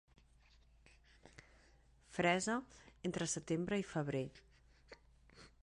Fresa entre setembre i febrer.